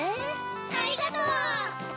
ありがとう！